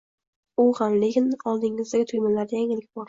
U ham, lekin oldingizdagi tugmalarda yangilik bor.